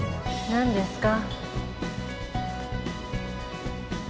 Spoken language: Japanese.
何ですか？